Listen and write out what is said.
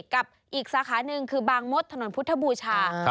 กับอีกสาขาหนึ่งคือบางมดถนนพุทธบูชา